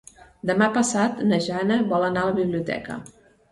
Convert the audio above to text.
Demà passat na Jana vol anar a la biblioteca.